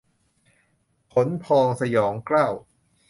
ขนพองสยองเกล้า